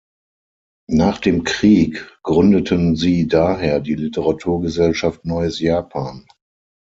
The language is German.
Nach dem Krieg gründeten sie daher die Literaturgesellschaft Neues Japan.